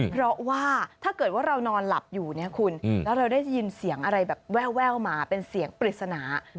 เพราะว่าถ้าเกิดว่าเรานอนหลับอยู่เนี่ยคุณแล้วเราได้ยินเสียงอะไรแบบแววมาเป็นเสียงปริศนา